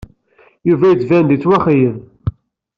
Yuba yettban-d yettwaxeyyeb.